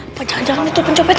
apa jangan jangan itu pencopetnya